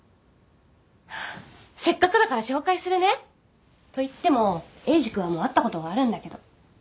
せっかくだから紹介するね。と言ってもエイジ君はもう会ったことがあるんだけど。